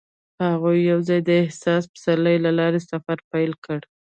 هغوی یوځای د حساس پسرلی له لارې سفر پیل کړ.